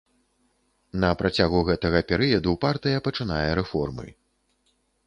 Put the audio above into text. На працягу гэтага перыяду, партыя пачынае рэформы.